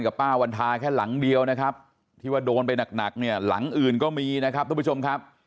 ป้าวันทาแค่หลังเดียวนะครับที่ว่าโดนไปหนักหนักเนี่ยหลังอื่นก็มีนะครับทุกผู้ชมครับ